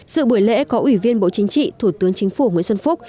sự buổi lễ có ủy viên bộ chính trị thủ tướng chính phủ nguyễn xuân phúc